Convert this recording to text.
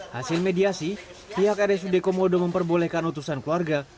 hasil mediasi pihak rsud komodo memperbolehkan utusan keluarga